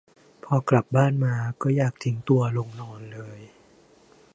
พอกลับบ้านมาก็อยากทิ้งตัวลงนอนเลย